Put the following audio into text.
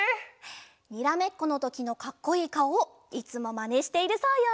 にらめっこのときのかっこいいかおいつもまねしているそうよ。